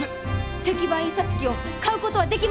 石版印刷機を買うことはできませんでしょうか？